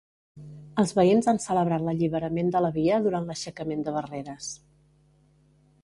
Els veïns han celebrat l'alliberament de la via durant l'aixecament de barreres.